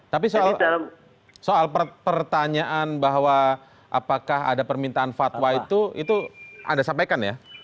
tapi soal pertanyaan bahwa apakah ada permintaan fatwa itu itu anda sampaikan ya